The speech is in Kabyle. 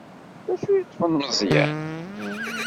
D acu i yeṭṭfen Meẓyan?